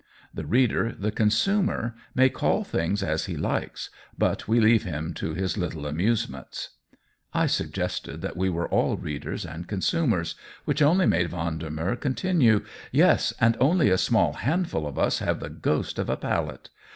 The reader, the consumer, may call things as he likes, but we leave him to his little amusements." I suggested that we were all readers and con sumers ; which only made Vendemer con tinue :" Yes, and only a small handful of us have the ghost of a palate.